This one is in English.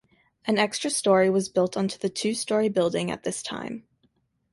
An extra storey was built onto the two storey building at this time.